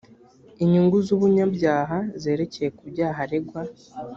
inyungu z umunyabyaha zerekeye ku byaha aregwa